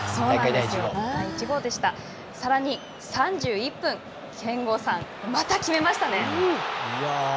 さらに３１分、憲剛さんまた決めましたね。